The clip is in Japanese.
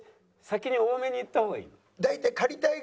先に多めに言った方がいいの？